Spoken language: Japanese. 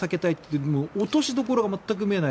でも、落としどころが全く見えない。